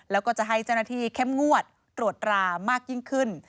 แล้วก็จะให้เจ้าหน้าที่เข้มงวดตรวจรามากยิ่งขึ้น